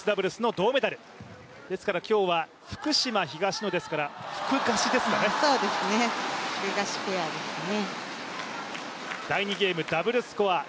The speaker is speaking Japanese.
銅メダル、ですから今日は福島・東野ですからフクガシペアですね。